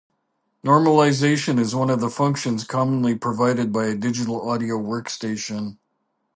Normalization is one of the functions commonly provided by a digital audio workstation.